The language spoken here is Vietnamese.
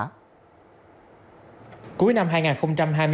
công an thành phố hồ chí minh đã đạt được những kết quả quan trọng